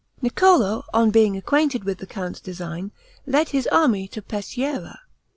Niccolo, on being acquainted with the count's design, led his army to Peschiera.